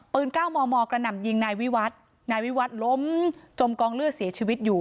เก้ามอมอกระหน่ำยิงนายวิวัฒน์นายวิวัตรล้มจมกองเลือดเสียชีวิตอยู่